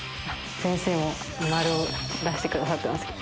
先生も丸を出してくださってますけど。